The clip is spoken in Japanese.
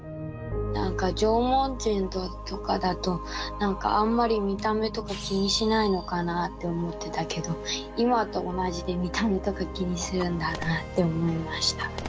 なんか縄文人とかだとなんかあんまり見た目とか気にしないのかなあって思ってたけど今と同じで見た目とか気にするんだなあって思いました。